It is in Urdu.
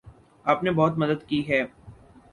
آپ نے بہت مدد کی ہے